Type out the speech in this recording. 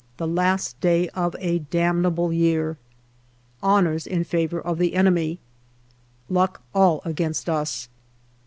The last day of a damnable year. Honours in favour of the enemy. Luck all against us.